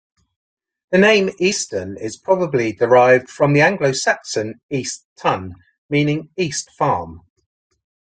The name Easton is probably derived from the Anglo-Saxon "East Tun" meaning East Farm.